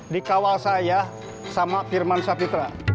dikawal saya sama firman sapitra